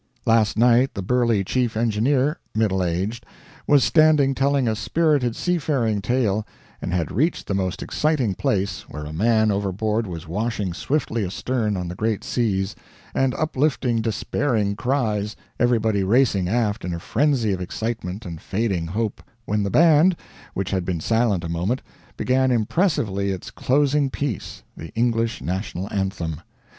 Last night, the burly chief engineer, middle aged, was standing telling a spirited seafaring tale, and had reached the most exciting place, where a man overboard was washing swiftly astern on the great seas, and uplifting despairing cries, everybody racing aft in a frenzy of excitement and fading hope, when the band, which had been silent a moment, began impressively its closing piece, the English national anthem.